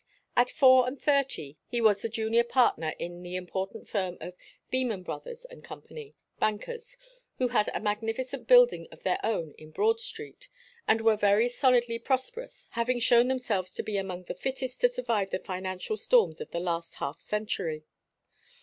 At four and thirty he was the junior partner in the important firm of Beman Brothers and Company, Bankers, who had a magnificent building of their own in Broad Street, and were very solidly prosperous, having shown themselves to be among the fittest to survive the financial storms of the last half century.